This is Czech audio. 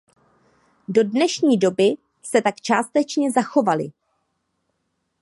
Do dnešní doby se tak částečně zachovaly.